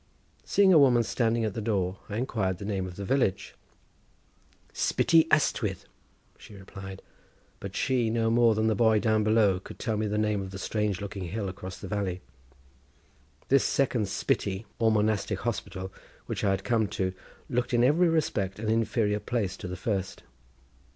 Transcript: Seeing a woman standing at the door I enquired the name of the village. "Spytty Ystwyth," she replied, but she, no more than the boy down below, could tell me the name of the strange looking hill across the valley. This second Spytty or monastic hospital, which I had come to, looked in every respect an inferior place to the first.